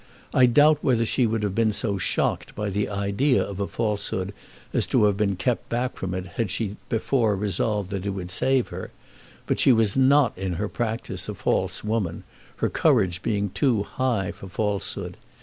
I doubt whether she would have been so shocked by the idea of a falsehood as to have been kept back from it had she before resolved that it would save her; but she was not in her practice a false woman, her courage being too high for falsehood.